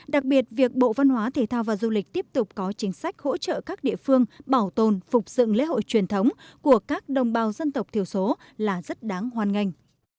đặc biệt việc bộ văn hóa thể thao và du lịch tiếp tục có chính sách hỗ trợ các địa phương bảo tồn phục dựng lễ hội truyền thống của các đồng bào dân tộc thiểu số là rất đáng hoan nghênh